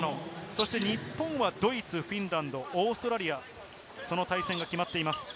そして日本はドイツ、フィンランド、オーストラリア、その対戦が決まっています。